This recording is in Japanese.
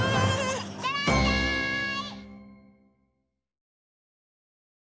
いってらっしゃい！